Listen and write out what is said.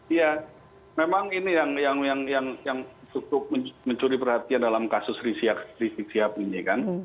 iya memang ini yang cukup mencuri perhatian dalam kasus rizik sihab ini kan